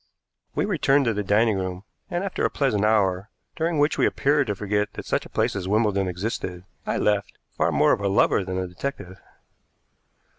We returned to the dining room, and after a pleasant hour, during which we appeared to forget that such a place as Wimbledon existed, I left, far more of a lover than a detective.